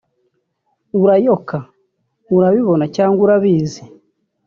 Urayoka(urabibona cg urabizi)